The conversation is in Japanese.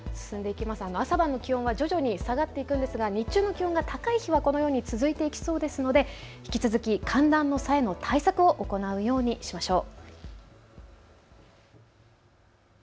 朝晩の気温が徐々に下がっていくんですが日中気温が高い日はこのように続いていきそうですので引き続き寒暖差の対策を行うようにしましょう。